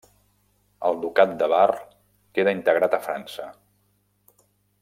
El ducat de Bar queda integrat a França.